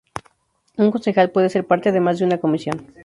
Un concejal puede ser parte de más de una comisión.